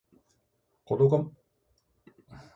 子供がまだ食べてるでしょうが。